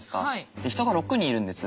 で人が６人いるんです。